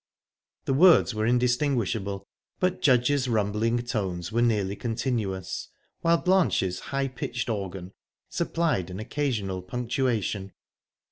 The words were indistinguishable, but Judge's rumbling tones were nearly continuous, while Blanche's high pitched organ supplied an occasional punctuation.